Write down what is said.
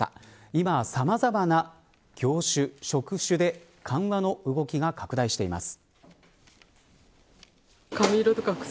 今、さまざまな業種、職種で緩和の動きが拡大しています。